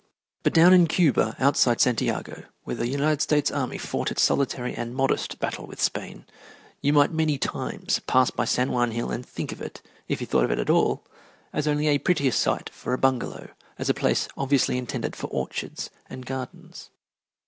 But down in Cuba, outside of Santiago, where the United States army fought its solitary and modest battle with Spain, you might many times pass by San Juan Hill and think of it, if you thought of it at all, as only a pretty site for a bungalow, as a place obviously intended for orchards and gardens.